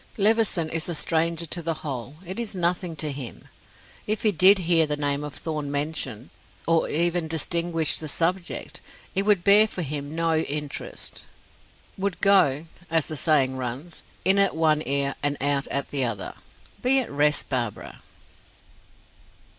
Levison is a stranger to the whole. It is nothing to him. If he did hear the name of Thorn mentioned, or even distinguished the subject, it would bear for him no interest would go, as the saying runs, 'in at one ear and out at the other.' Be at rest, Barbara."